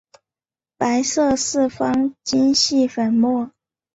白色四方晶系粉末。